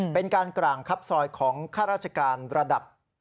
เป็นการกร่างคับซอยของข้าราชการระดับ